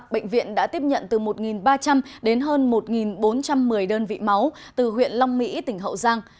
bệnh viện đã tiếp nhận từ một ba trăm linh đến hơn một bốn trăm một mươi đơn vị máu từ huyện long mỹ tỉnh hậu giang